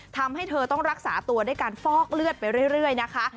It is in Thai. ทำให้เธอต้องรักษาตัวด้วยการฟอกเลือดไปเรื่อยนะคะ